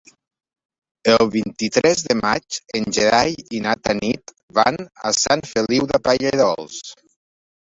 El vint-i-tres de maig en Gerai i na Tanit van a Sant Feliu de Pallerols.